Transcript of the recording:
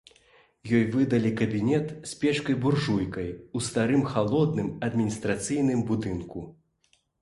Ёй выдалі кабінет з печкай-буржуйкай у старым халодным адміністрацыйным будынку.